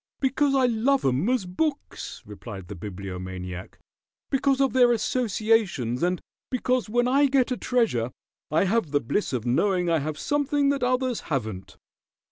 "Because I love 'em as books," replied the Bibliomaniac. "Because of their associations, and because when I get a treasure I have the bliss of knowing I have something that others haven't."